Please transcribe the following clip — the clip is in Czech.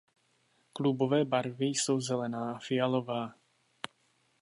Klubové barvy jsou zelená a fialová.